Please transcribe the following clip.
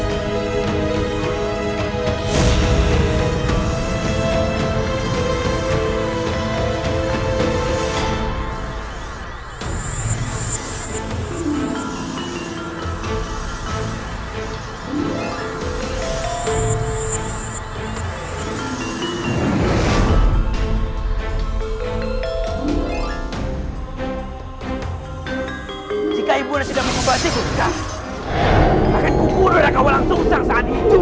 aku akan kukur akan kau langsung sangsadi juga